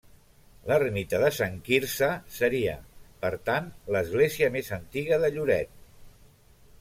L'ermita de Sant Quirze seria, per tant, l'església més antiga de Lloret.